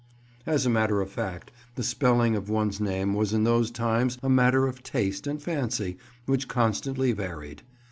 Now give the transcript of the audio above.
As a matter of fact, the spelling of one's name was in those times a matter of taste and fancy, which constantly varied.